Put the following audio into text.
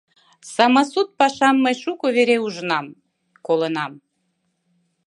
Самосуд пашам мый шуко вере ужынам, колынам.